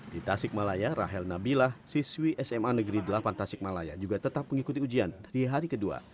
di tasik malaya rahel nabilah siswi sma negeri delapan tasik malaya juga tetap mengikuti ujian di hari kedua